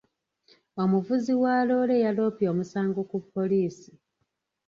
Omuvuzi wa loole yaloopye omusango ku poliisi.